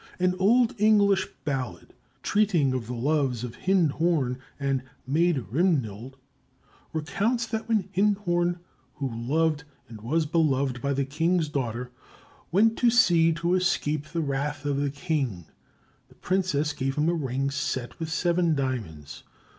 An old English ballad, treating of the loves of Hind Horn and Maid Rimnild, recounts that when Hind Horn, who loved and was beloved by the king's daughter, went to sea to escape the wrath of the king, the princess gave him a ring set with seven diamonds.